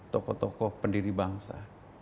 tokoh tokoh pendiri bangsa